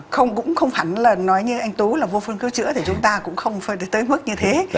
không cũng không hẳn là nói như anh tú là vô phương cứu chữa thì chúng ta cũng không tới mức như thế